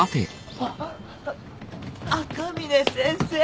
あっ赤嶺先生